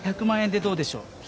１００万円でどうでしょう？